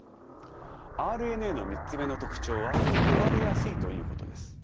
ＲＮＡの３つ目の特徴は壊れやすいということです。